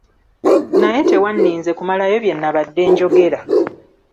Naye tewanninze kumalayo bye nabadde njogera.